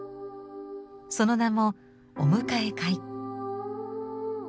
その名も「お迎え会」。